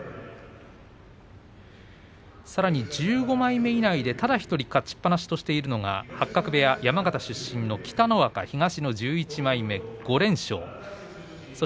さらに１５枚目以内で、ただ１人勝ちっぱなしとしているのが八角部屋、山形出身の北の若東の１１枚目、５連勝です。